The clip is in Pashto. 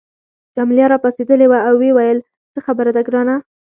جميله راپاڅیدلې وه او ویې ویل څه خبره ده ګرانه.